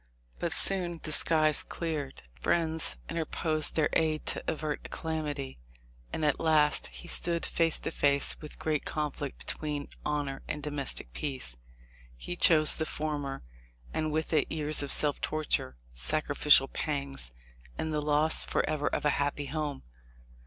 But soon the skies cleared. Friends interposed their aid to avert a calamity, and at last he stood face to face with the great conflict between honor and domestic peace. He chose the former, and with it years of self torture, sacrificial pangs, and the loss forever of a happy home.